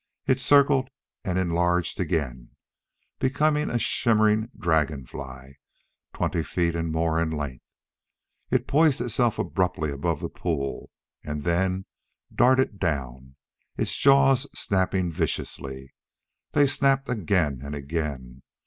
It circled and enlarged again, becoming a shimmering dragonfly, twenty feet and more in length. It poised itself abruptly above the pool, and then darted down, its jaws snapping viciously. They snapped again and again.